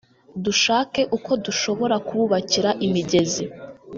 dushake uko dushobora kububakira imigezi